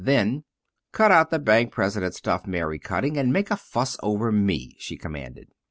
Then: "Cut out the bank president stuff, Mary Cutting, and make a fuss over me," she commanded.